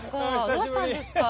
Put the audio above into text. どうしたんですか。